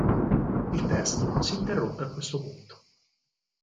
Il testo si interrompe a questo punto.